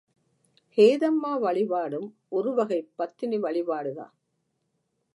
ஹேதம்மா வழிபாடும், ஒருவகைப் பத்தினி வழிபாடுதான்.